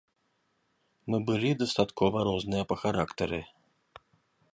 Мы былі дастаткова розныя па характары.